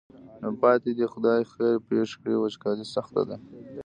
نو پاتې دې خدای خیر پېښ کړي وچکالي سخته ده.